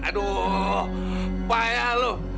aduh payah lo